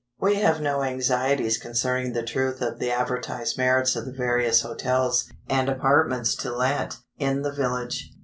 We have no anxieties concerning the truth of the advertised merits of the various hotels, and apartments to let, in the village.